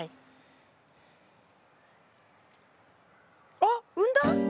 あっ産んだ？